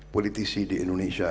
politik di indonesia